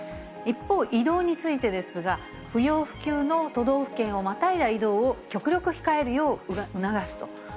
一方、移動についてですが、不要不急の都道府県をまたいだ移動を極力控えるよう促すと。